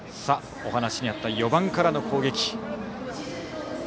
お話にあった４番からの攻撃。